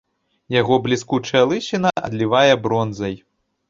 Яго бліскучая лысіна адлівае бронзай.